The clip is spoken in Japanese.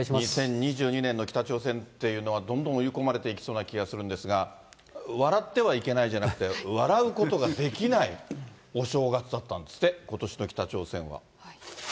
２０２２年の北朝鮮というのは、どんどん追い込まれていきそうな気がするんですが、笑ってはいけないじゃなくて、笑うことができないお正月だったんですって、ことしの北朝鮮は。